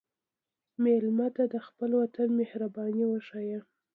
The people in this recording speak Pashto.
مېلمه ته د خپل وطن مهرباني وښیه.